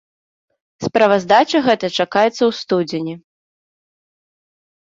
Справаздача гэта чакаецца ў студзені.